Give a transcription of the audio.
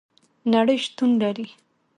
نړۍ شتون لري